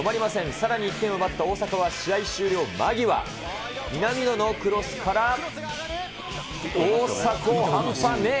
さらに１点を奪った大迫は試合終了間際、南野のクロスから、大迫、半端ねぇ。